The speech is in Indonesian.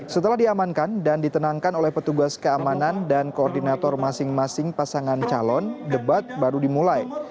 setelah diamankan dan ditenangkan oleh petugas keamanan dan koordinator masing masing pasangan calon debat baru dimulai